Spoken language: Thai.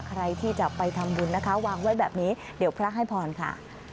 ใครที่จะไปทำบุญนะคะวางไว้แบบนี้เดี๋ยวพระให้พรค่ะ